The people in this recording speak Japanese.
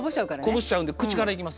こぼしちゃうんで口から行きます。